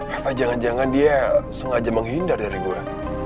apa jangan jangan dia sengaja menghindar dari gue